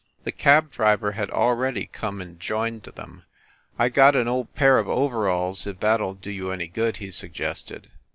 The cab driver had already come and joined them. "I got an old pair of overalls, if that ll do you any good," he suggested.